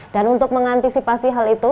dan untuk mengantisipasi hal itu